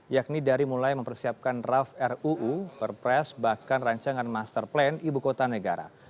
yakni dari mulai mempersiapkan raff ruu perpres bahkan rancangan master plan ibu kota negara